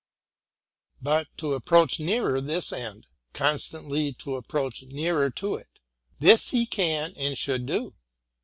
But to approach nearer this end, — constantly to ap proach nearer to it, — this he can and should do.